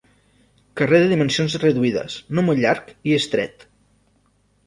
Carrer de dimensions reduïdes, no molt llarg i estret.